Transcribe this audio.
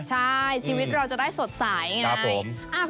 ใช่ชีวิตเราจะได้สดใสอย่างไร